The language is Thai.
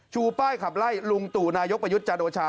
ชูป้ายขับไล่ลุงตู่นายกประยุทธ์จันโอชา